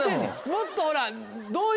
もっとほら。